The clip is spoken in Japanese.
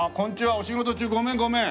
お仕事中ごめんごめん。